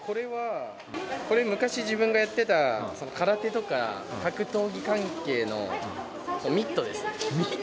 これ、昔自分がやってた空手とか、格闘技関係のミットですね。